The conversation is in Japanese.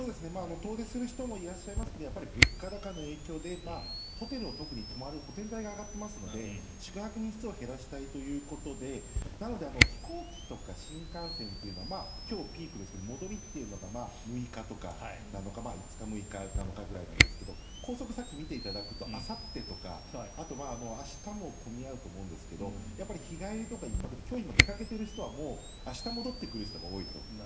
遠出する人もいますが物価高の影響で特に泊まるホテル代が上がっていますので宿泊日数を減らしたいということでなので飛行機とか新幹線というのは今日ピークですが戻りというのが５日、６日とか７日ぐらいですが高速を見ていただくとあさってとかあと明日も混み合うと思いますが日帰りとか１泊で今日出かけている人はもう明日戻ってくる人が多いと。